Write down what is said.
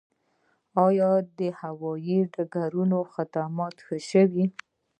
آیا د هوایي ډګرونو خدمات ښه شوي؟